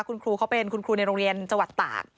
คุณครูเขาเป็นคุณครูในโรงเรียนจังหวัดตาก